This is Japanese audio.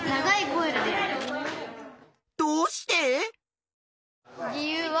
どうして？